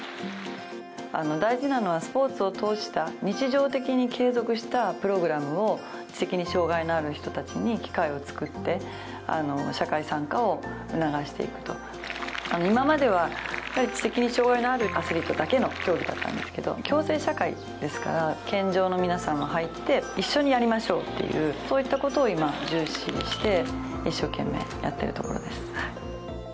大事なのはスポーツを通した日常的に継続したプログラムを知的に障害のある人たちに機会を作って社会参加を促していくと今まではやっぱり知的に障害のあるアスリートだけの競技だったんですけど共生社会ですから健常の皆さんも入って一緒にやりましょうっていうそういったことを今重視して一生懸命やってるところです